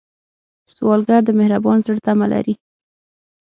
سوالګر د مهربان زړه تمه لري